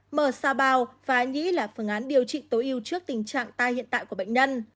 mở sao bào và nghĩ là phương án điều trị tối ưu trước tình trạng tai hiện tại của bệnh nhân